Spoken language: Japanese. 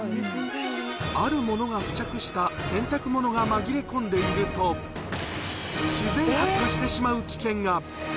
あるものが付着した洗濯物が紛れ込んでいると、自然発火してしまう危険が。